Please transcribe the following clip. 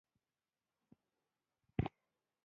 هېواد ته زده کړه ضروري ده